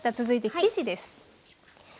続いて生地です。